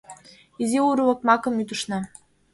Изи урлык макым ӱдышна.